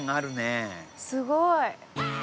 すごい。